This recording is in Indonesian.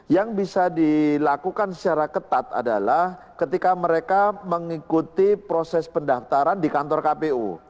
yang bisa dilakukan secara ketat adalah ketika mereka mengikuti proses pendaftaran di kantor kpu